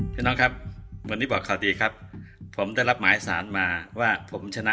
พี่น้องครับวันนี้บอกข่าวดีครับผมได้รับหมายสารมาว่าผมชนะ